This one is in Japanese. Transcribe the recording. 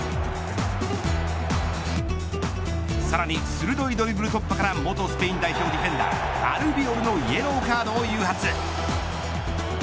さらに鋭いドリブル突破から元スペイン代表ディフェンダーアルビオルのイエローカードを誘発。